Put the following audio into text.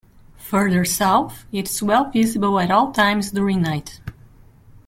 Further south, it is well visible at all times during night.